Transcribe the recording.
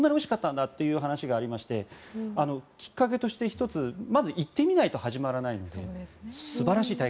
海鮮丼もこんなにおいしかったんだという話がありましてきっかけとしてまずは行ってみないとわからない。